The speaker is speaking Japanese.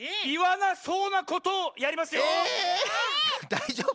⁉だいじょうぶ？